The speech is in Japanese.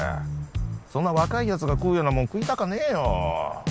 そんな若いやつが食うようなもん食いたかねえよ！